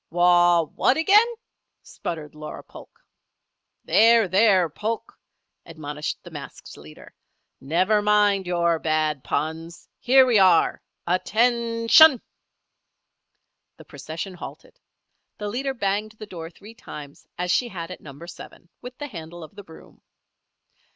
"Wau what again?" sputtered Laura Polk. "There, there, Polk!" admonished the masked leader. "Never mind your bad puns. Here we are. Attention!" The procession halted. The leader banged the door three times as she had at Number Seven, with the handle of the broom.